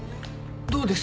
どうです？